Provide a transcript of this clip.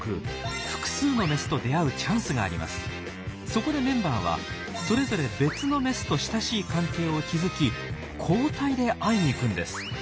そこでメンバーはそれぞれ別のメスと親しい関係を築き交代で会いに行くんです。